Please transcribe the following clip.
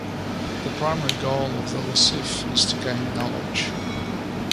The primary goal of the Ly-Cilph is to gain knowledge.